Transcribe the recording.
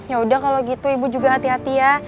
yaudah kalo gitu ibu juga hati hati ya